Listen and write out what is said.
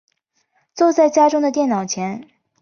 坐在家中的电脑前